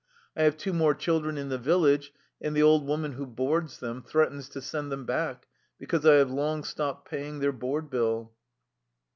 I have two more children in the village, and the old woman who boards them threatens to send them back because I have long stopped paying their board bill."